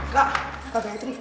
kak kak gayatri